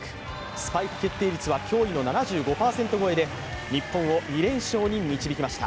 スパイク決定率は驚異の７５％超えで日本を２連勝に導きました。